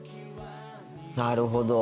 なるほど。